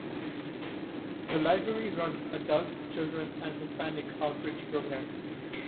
The library runs Adult, Children's, and Hispanic Outreach programs.